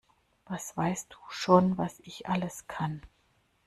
Was weißt du schon, was ich alles kann?